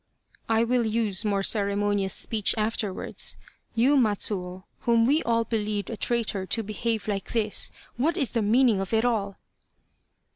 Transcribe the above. " I will use more ceremonious speech afterwards. You Matsuo, whom we all believed a traitor to behave like this ! What is the meaning of it all